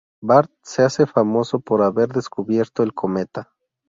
Bart se hace famoso por haber descubierto el cometa.